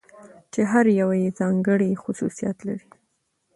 چې هره يوه يې ځانګړى خصوصيات لري .